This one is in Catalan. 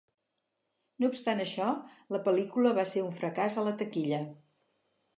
No obstant això, la pel·lícula va ser un fracàs en la taquilla.